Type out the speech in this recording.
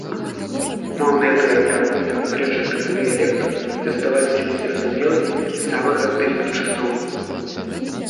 Моўныя карані агульнага грэчаскага дыялекту заставаліся незразумелымі з самых антычных часоў.